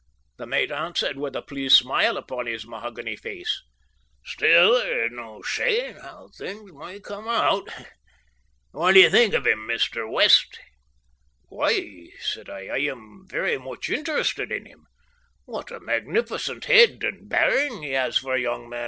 the mate answered, with a pleased smile upon his mahogany face, "still, there's no saying how things may come out. What d'ye think of him, Mr. West?" "Why," said I, "I am very much interested in him. What a magnificent head and bearing he has for a young man.